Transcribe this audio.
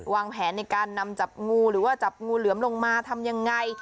วางแผนในการนำจับงูหรือว่าจับงูเหลือมลงมาทำยังไง